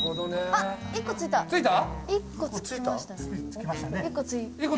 あっ１個ついた！